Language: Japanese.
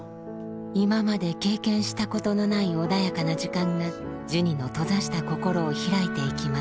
今まで経験したことのない穏やかな時間がジュニの閉ざした心を開いていきます